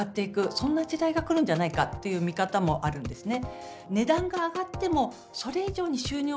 そんな時代が来るんじゃないかという見方もあるんですね。